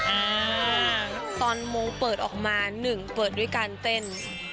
อ่าตอนมงเปิดออกมาหนึ่งเปิดด้วยการเต้น